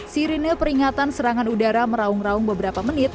sirine peringatan serangan udara meraung raung beberapa menit